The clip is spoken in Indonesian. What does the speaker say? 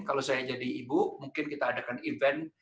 kalau saya jadi ibu mungkin kita adakan event